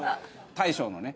大将のね。